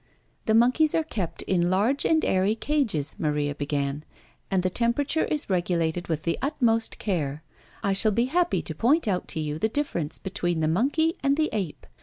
"The monkeys are kept in large and airy cages," Maria began; "and the temperature is regulated with the utmost care. I shall be happy to point out to you the difference between the monkey and the ape.